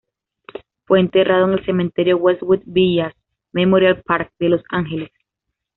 Fue enterrado en el Cementerio Westwood Village Memorial Park de Los Ángeles.